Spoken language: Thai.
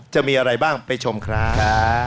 จะมีอะไรบ้างไปชมครับ